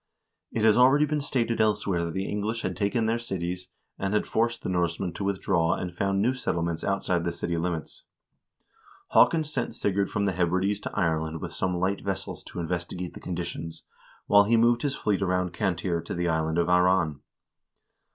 It has already been stated elsewhere that the English had taken their cities, and had forced the Norsemen to withdraw and found new settlements outside the city limits. Haakon sent Sigurd from the Hebrides to Ireland with some light vessels to investigate the conditions, while he moved his fleet around Cantire to the island of Aran.